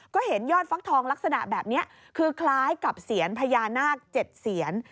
ก็เห็นยอดฟักทองลักษณะแบบนี้คือคล้ายกับเสียญพญานาค๗เสียน